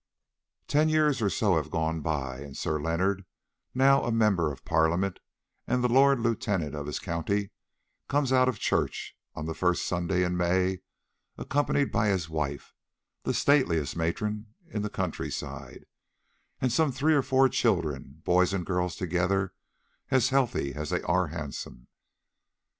Ten years or so have gone by and Sir Leonard, now a member of Parliament and the Lord Lieutenant of his county, comes out of church on the first Sunday in May accompanied by his wife, the stateliest matron in the country side, and some three or four children, boys and girls together, as healthy as they are handsome.